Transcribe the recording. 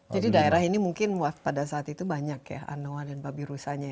jadi daerah ini mungkin pada saat itu banyak ya anoa dan babi rusanya